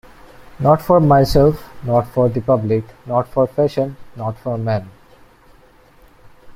Not for myself, not for the public, not for fashion, not for men.